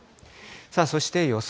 そして予想